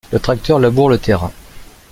le tracteur labourre le terrain